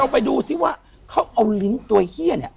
ไปดูซิว่าเขาเอาลิ้นตัวเฮียเนี่ย